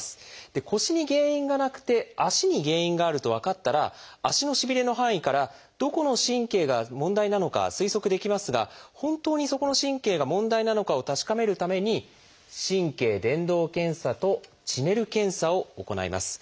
で腰に原因がなくて足に原因があると分かったら足のしびれの範囲からどこの神経が問題なのか推測できますが本当にそこの神経が問題なのかを確かめるために「神経伝導検査」と「チネル検査」を行います。